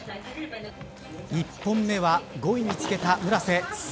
１本目は５位につけた村瀬。